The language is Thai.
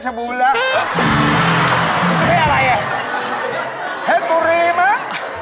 เฮ็ดปุรีมั้ย